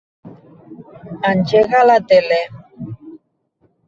Engega la tele.